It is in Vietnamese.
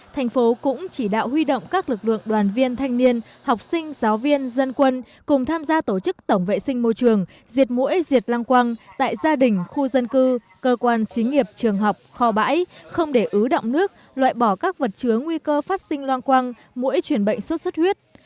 thành phố cũng chỉ đạo huy động các lực lượng đoàn viên thanh niên học sinh giáo viên dân quân cùng tham gia tổ chức tổng vệ sinh môi trường diệt mũi diệt lăng quăng tại gia đình khu dân cư cơ quan xí nghiệp trường học kho bãi không để ứ động nước loại bỏ các vật chứa nguy cơ phát sinh loang quang mũi chuyển bệnh sốt xuất huyết